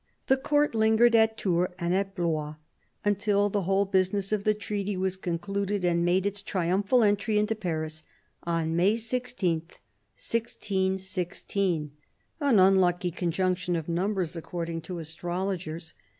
The Court Hngered at Tours and at Blois until the whole business of the treaty was concluded, and made its triumphal entry into Paris on May 16, 1616 — an unlucky conjunction of numbers, according to astrologers.